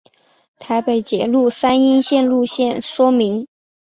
台北捷运三莺线路线说明